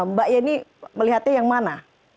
mbak yeni melihatnya yang mana